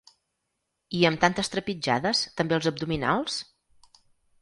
I, amb tantes trepitjades, també els abdominals?